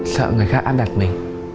sợ người khác áp đặt mình